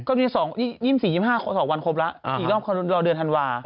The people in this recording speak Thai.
ก็มี๒๔๒๕วันครบแล้วอีกรอบรอเดือนธันวาส์